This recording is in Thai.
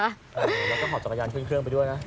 แล้วก็หอบจักรยานขึ้นเครื่องไปด้วยนะ